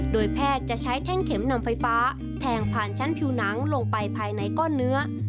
โดยแพทย์จะใช้แท่งเข็มนำไฟฟ้าแทงผ่านชั้นผิวหนังลงไปภายในก้อนเนื้อ